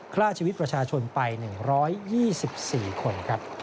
คล่าชีวิตประชาชนไป๑๒๔คน